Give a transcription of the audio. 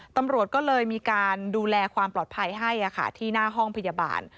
ตำรวจก็เลยมีการดูแลความปลอดภัยให้ที่หน้าห้องพยาบาล